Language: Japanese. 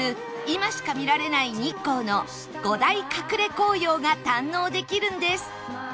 今しか見られない日光の５大隠れ紅葉が堪能できるんです